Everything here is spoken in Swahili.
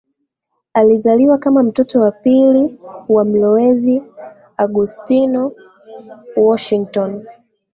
Alizaliwa kama mtoto wa pili wa mlowezi Augustine Washington